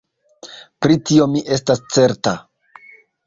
Pri tio mi estas certa.